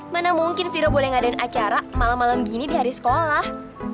mana mungkin viro boleh ngadain acara malam malam gini di hari sekolah